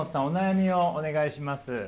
お悩みをお願いします。